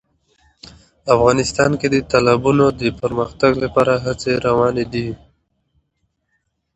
افغانستان کې د تالابونو د پرمختګ لپاره هڅې روانې دي.